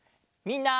みんな！